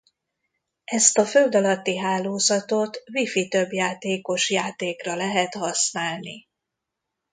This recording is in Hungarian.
Ezt a föld alatti hálózatot Wi-fi többjátékos játékra lehet használni.